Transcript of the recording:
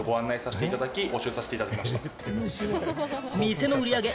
店の売り上げ